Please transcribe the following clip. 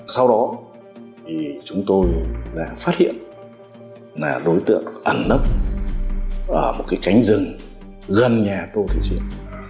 sau đó thì chúng tôi đã phát hiện là đối tượng ẩn nấp ở một cái cánh rừng gần nhà tô thủy diện